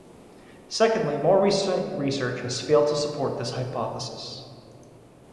Secondly, more recent research has failed to support this hypothesis.